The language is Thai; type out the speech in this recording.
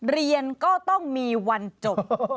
เรียนก็ต้องมีวันจบ